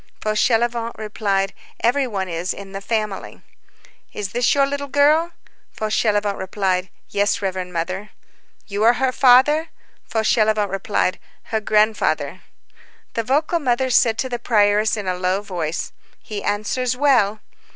Fauchelevent replied:— "Every one is in the family." "Is this your little girl?" Fauchelevent replied:— "Yes, reverend Mother." "You are her father?" Fauchelevent replied:— "Her grandfather." The vocal mother said to the prioress in a low voice "He answers well."